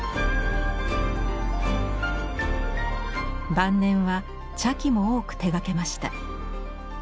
晩年は茶器も多く手がけました。